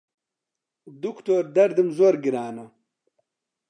دوکتۆر دەردم زۆر گرانە